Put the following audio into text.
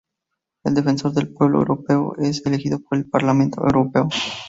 El defensor del pueblo europeo es elegido por el Parlamento Europeo.